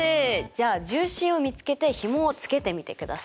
じゃあ重心を見つけてひもをつけてみてください。